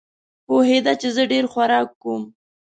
پوهېده چې زه ډېر خوراک کوم.